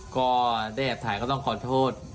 ก็ได้แอบถ่ายก็ต้องขอโทษ